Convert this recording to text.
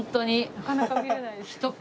なかなか見れない。